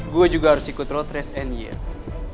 gue juga harus ikut roters and yard